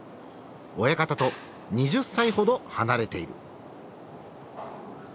親方と２０歳ほど離れている。